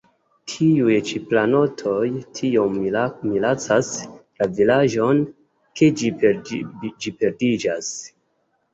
Tiuj ĉi planoj tiom minacas la vilaĝon, ke ĝi perdiĝas.